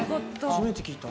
初めて聞いた。